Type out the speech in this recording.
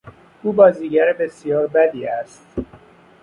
او بازیگر بسیار بدی است.